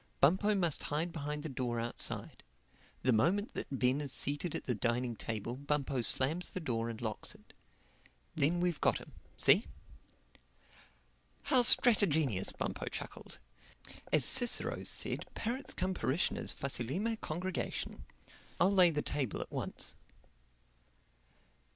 Bumpo must hide behind the door outside. The moment that Ben is seated at the dining table Bumpo slams the door and locks it. Then we've got him. See?" "How stratagenious!" Bumpo chuckled. "As Cicero said, parrots cum parishioners facilime congregation. I'll lay the table at once."